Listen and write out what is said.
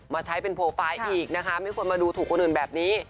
ใช้เป็นโปรไฟล์อีกนะคะไม่ควรมาดูถูกคนอื่นแบบนี้